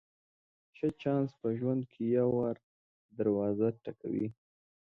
ښه چانس په ژوند کې یو وار دروازه ټکوي.